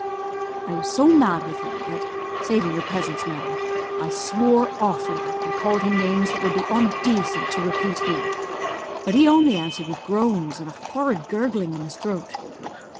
"I was so mad with him, that (saving your presence, ma'am) I swore awfully, and called him names that would be ondacent to repeat here; but he only answered with groans and a horrid gurgling in his throat.